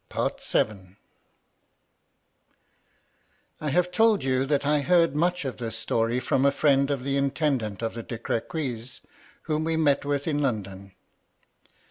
CHAPTER VIL "I HAVE told you that I heard much of this story from a friend of the Intendant of the De Crequys, whom he met with in London.